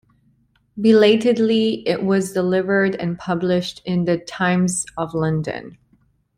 Belatedly, it was delivered and published in "The Times of London".